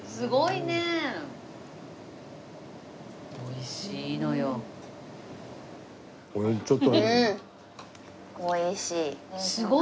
おいしい。